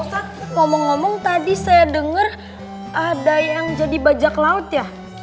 ngomong ngomong tadi saya dengar ada yang jadi bajak laut ya